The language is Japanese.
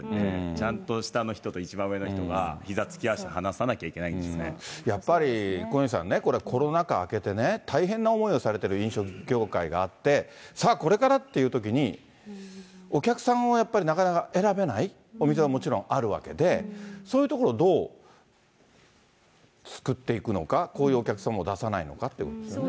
ちゃんと下の人と上の人がひざつき合わせて話し合わなきゃいけなやっぱり、小西さんね、これ、コロナ禍あけてね、大変な思いをされている飲食業界があって、さあ、これからっていうときに、お客さんをやっぱりなかなか選べないお店はもちろんあるわけで、そういうところ、どうすくっていくのか、こういうお客様を出さないのかっていうところですよね。